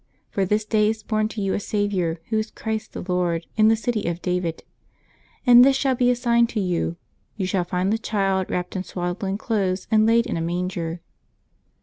For this day is born to you a Saviour, Who is Christ the Lord, in the city of David. And this shall be a sign to you : you shall find the Child wrapped in swaddling clothes, and laid in a manger."